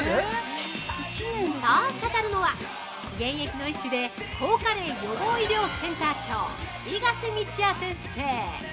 ◆そう語るのは現役の医師で抗加齢予防医療センター長伊賀瀬道哉先生。